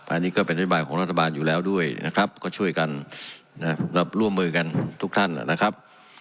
อันนี้ก็เป็นนโยบายของรัฐบาลอยู่แล้วด้วยนะครับก็ช่วยกันร่วมมือกันทุกท่านนะครับ